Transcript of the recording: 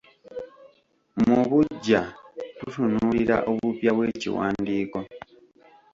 Mu buggya tutunuulira obupya bw’ekiwandiiko